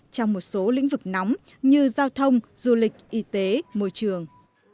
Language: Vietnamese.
trong một số lĩnh vực nóng như giao thông du lịch y tế môi trường